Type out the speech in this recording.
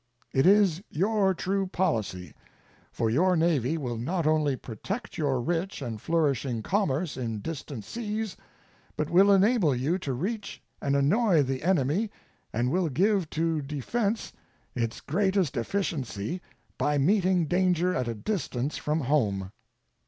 It is your true policy, for your Navy will not only protect your rich and flourishing commerce in distant seas, but will enable you to reach and annoy the enemy and will give to defense its greatest efficiency by meeting danger at a distance from home.